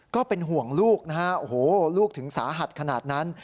ก็เป็นห่วงลูกนะฮะโอ้โหลูกถึงสาหัสขนาดนั้น